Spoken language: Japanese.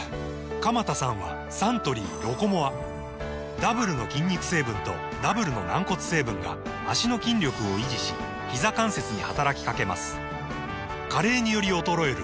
鎌田さんはサントリー「ロコモア」ダブルの筋肉成分とダブルの軟骨成分が脚の筋力を維持しひざ関節に働きかけます加齢により衰える歩く速さを維持することが報告されています